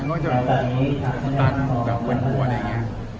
ก็จะมีน้ำตาลแบบเวียนหัวอะไรอย่างเงี้ย